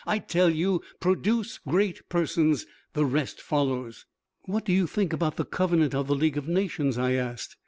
I tell you, produce great Persons; the rest follows." "What do you think about the covenant of the League of Nations?" I asked.